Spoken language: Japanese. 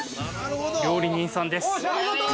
◆料理人さんです！